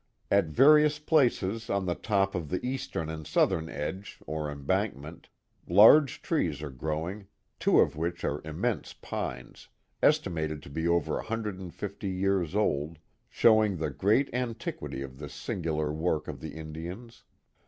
At various places on the top of the eastern and southern ridge, or embankment, large trees are growing, two of which are immense pines, estimated to be over 150 years old, showing the great antiquity of this singu lar work of the Indians.